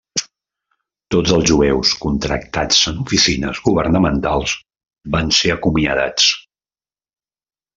Tots els jueus contractats en oficines governamentals van ser acomiadats.